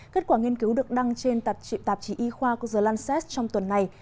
kết quả nghiên cứu được đăng trên tạp chí y khoa của the lancet trong tuần này